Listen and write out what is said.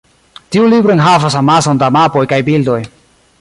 Tiu libro enhavas amason da mapoj kaj bildoj.